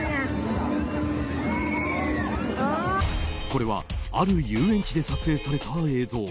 これはある遊園地で撮影された映像。